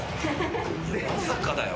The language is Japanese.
まさかだよ。